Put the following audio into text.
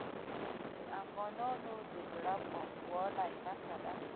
د افغانانو د زړه پاکوالي نښه ده.